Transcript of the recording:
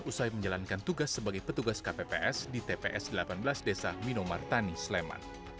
usai menjalankan tugas sebagai petugas kpps di tps delapan belas desa minomartani sleman